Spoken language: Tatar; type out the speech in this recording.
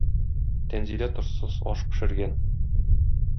Тәнзилә тозсыз аш пешергән